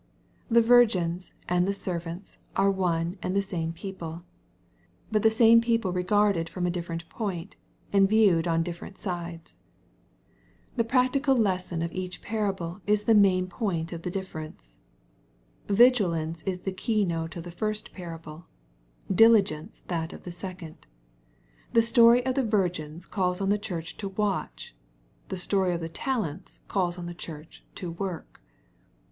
The virgins and the servants are one and the same people, — ^but the same people regarded from a different point, and viewed on different sides. The practical lesson of each parable is the main point of difference. Vigilance is the key note of the first parable, diligence that of the second. The story of the virgins calls on the Church to watch, the story of the talents calls on the Church to work.